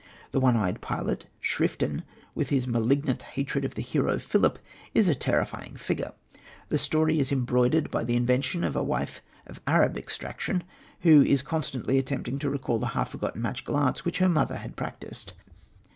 The one eyed pilot, Schriften, with his malignant hatred of the hero, Philip, is a terrifying figure. The story is embroidered by the invention of a wife of Arab extraction, who is constantly attempting to recall the half forgotten magical arts which her mother had practised.